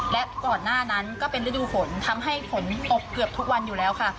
และก่อนหน้านั้นก็เป็นฤดูฝนทำให้ฝนตกเกือบทุกวันอยู่แล้วค่ะ